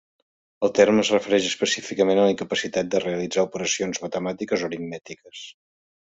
El terme es refereix específicament a la incapacitat de realitzar operacions matemàtiques o aritmètiques.